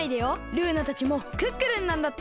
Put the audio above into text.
ルーナたちもクックルンなんだって！